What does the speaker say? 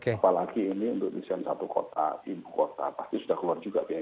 apalagi ini untuk desain satu kota ibu kota pasti sudah keluar juga biaya